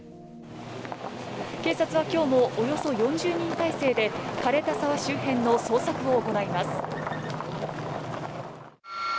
警察はきょうも、およそ４０人態勢で、かれた沢周辺の捜索を行います。